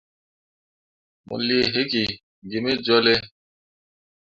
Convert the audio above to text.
Mo lii hikki gi me jolle.